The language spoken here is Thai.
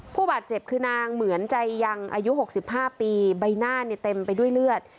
ผู้บาดเจ็บคือนางเหมือนใจยังอายุ๖๕ปีใบหน้าเนี่ยเต็มไปด้วยเลือด